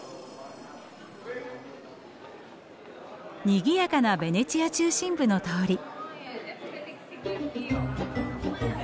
にぎやかなベネチア中心部の通り。